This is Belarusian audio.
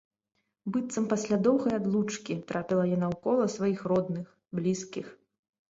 Быццам пасля доўгай адлучкі трапіла яна ў кола сваіх родных, блізкіх.